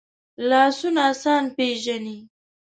لاسونه انسان پېژني